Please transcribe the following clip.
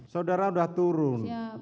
saudara sudah turun